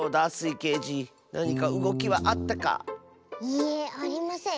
いいえありません。